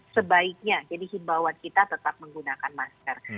sebaiknya jadi himbauan kita tetap menggunakan masker